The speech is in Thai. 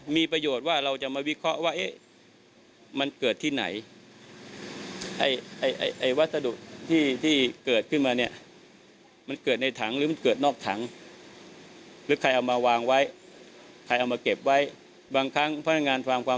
นี่ค่ะนั่นอาจจะไม่ได้มาอยู่ในถัง